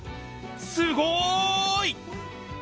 すごい！